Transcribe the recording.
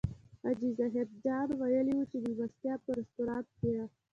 حاجي ظاهر جان ویلي و چې مېلمستیا په رستورانت کې ده.